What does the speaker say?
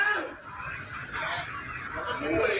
สวัสดีครับคุณผู้ชาย